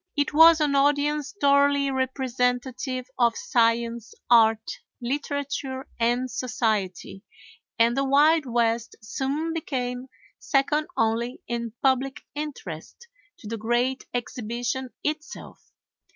It was an audience thoroughly representative of science, art, literature, and society, and the Wild West soon became second only in public interest to the great Exhibition itself.